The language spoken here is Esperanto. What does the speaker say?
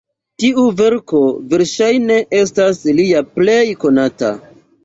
Tiu verko verŝajne estas lia plej konata.